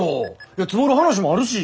いや積もる話もあるし。